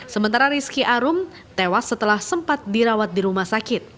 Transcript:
sementara rizky arum tewas setelah sempat dirawat di rumah sakit